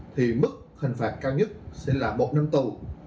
thì mức hình phạt cao nhất sẽ là một năm tù